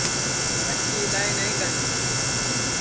ٻٹکی اِدؔائے نائی گݪی